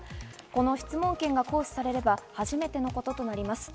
この質問権が行使されれば、初めてのこととなります。